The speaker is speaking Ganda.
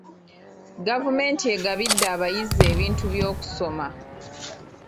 Gavumenti egabidde abayizi ebintu by'okusoma.